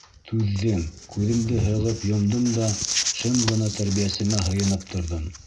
Түҙҙем, күҙемде һығып йомдом да, шым ғына тәрбиәсемә һыйынып торҙом.